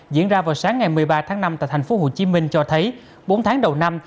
diễn ra vào sáng ngày một mươi ba tháng năm tại tp hcm cho thấy bốn tháng đầu năm